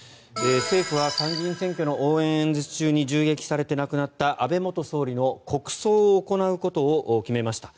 政府は参議院選挙の応援演説中に銃撃されて亡くなった安倍元総理の国葬を行うことを決めました。